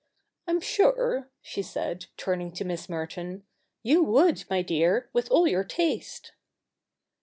I'm sure,' she said, turning to Miss Merton, 'you would, my dear, with all your taste.'